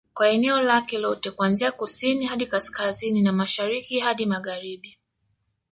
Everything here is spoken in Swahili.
Kwa eneo lake lote kuanzia kusini hadi kaskazini na Mashariki hadi Magharibi